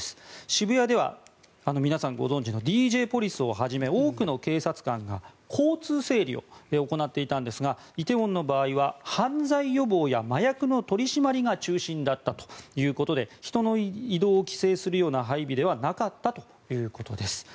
渋谷では皆さんご存じのＤＪポリスをはじめ多くの警察官が交通整理を行っていたんですが梨泰院の場合は犯罪予防や麻薬の取り締まりが中心だったということで人の移動を規制するような配備ではなかったということです。